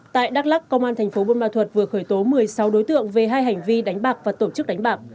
tại đắk lắc công an tp hcm vừa khởi tố một mươi sáu đối tượng về hai hành vi đánh bạc và tổ chức đánh bạc